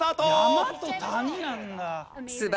山と谷なんだ。